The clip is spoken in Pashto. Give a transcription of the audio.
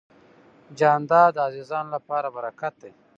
جانداد د عزیزانو لپاره برکت دی.